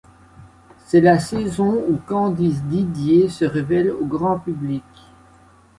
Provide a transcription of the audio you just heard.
C'est la saison où Candice Didier se révèle au grand public.